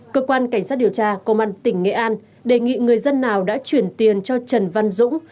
cơ quan cảnh sát điều tra công an tỉnh nghệ an đề nghị người dân nào đã chuyển tiền cho trần văn dũng